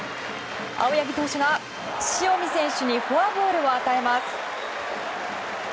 青柳投手が塩見選手にフォアボールを与えます。